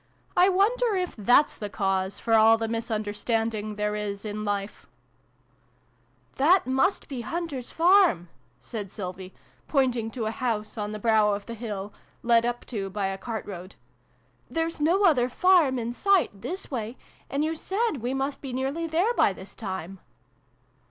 I wonder if that's the cause for all the mis understanding there is in Life ?"" That must be Hunter's farm !" said Sylvie, pointing to a house on the brow of the hill, led up to by a cart road. " There's no other farm in sight, this way ; and you said we must be nearly there by this time."